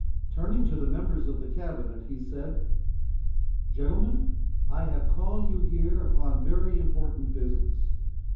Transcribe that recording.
Turning to the members of the Cabinet, he said: "'Gentlemen, I have called you here upon very important business.